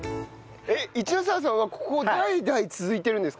市ノ澤さんはここ代々続いてるんですか？